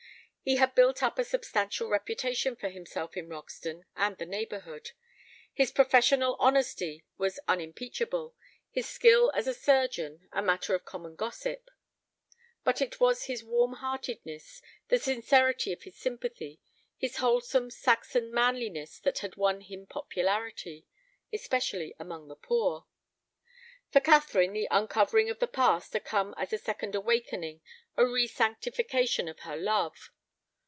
He had built up a substantial reputation for himself in Roxton and the neighborhood. His professional honesty was unimpeachable, his skill as a surgeon a matter of common gossip. But it was his warm heartedness, the sincerity of his sympathy, his wholesome Saxon manliness that had won him popularity, especially among the poor. For Catherine the uncovering of the past had come as a second awakening, a resanctification of her love.